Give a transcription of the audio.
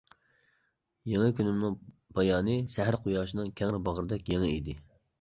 يېڭى كۈنۈمنىڭ پايانى سەھەر قۇياشىنىڭ كەڭرى باغرىدەك يېڭى ئىدى.